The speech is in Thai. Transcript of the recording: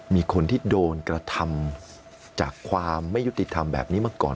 มีคนที่โดนกระทำจากความไม่ยุติธรรมแบบนี้มาก่อน